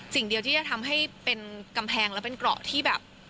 สิ่งเดียวที่จะทำให้เป็นกำแพงและเป็นเกราะที่แบบ